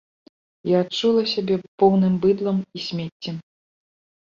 Я адчула сябе поўным быдлам і смеццем.